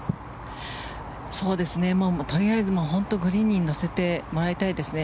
とりあえず、グリーンに乗せてもらいたいですね。